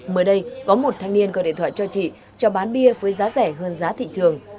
mới đây có một thanh niên gọi điện thoại cho chị cho bán bia với giá rẻ hơn giá thị trường